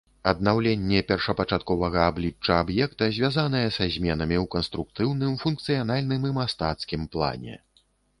Аднаўленне першапачатковага аблічча аб'екта, звязанае са зменамі ў канструктыўным, функцыянальным і мастацкім плане.